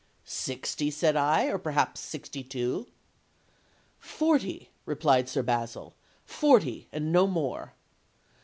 'Sixty,' said I, 'or perhaps sixty two.' 'Forty,' replied Sir Basil, 'forty, and no more.'